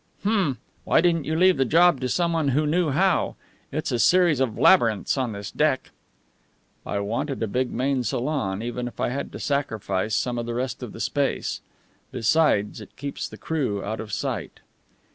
"Humph! Why didn't you leave the job to someone who knew how? It's a series of labyrinths on this deck." "I wanted a big main salon, even if I had to sacrifice some of the rest of the space. Besides, it keeps the crew out of sight."